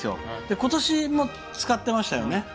今年も使ってましたよね。